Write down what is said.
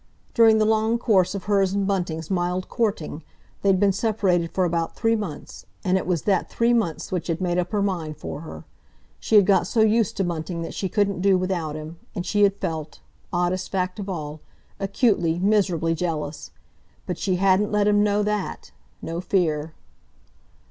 During the long course of hers and Bunting's mild courting, they'd been separated for about three months, and it was that three months which had made up her mind for her. She had got so used to Bunting that she couldn't do without him, and she had felt—oddest fact of all—acutely, miserably jealous. But she hadn't let him know that—no fear!